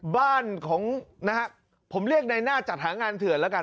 บ้านของนะฮะผมเรียกในหน้าจัดหางานเถื่อนแล้วกัน